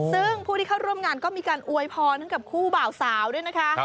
ซึ่งผู้ที่เข้าร่วมงานก็มีการอวยพรให้กับคู่บ่าวสาวด้วยนะคะ